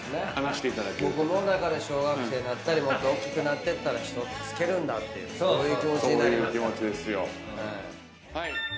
僕もだから小学生になったりもっとおっきくなってったら人を助けるんだ！っていうそういう気持ちになりますから。